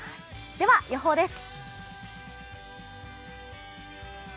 では予報です。